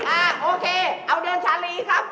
โอเคเอาเดือนชาลีครับ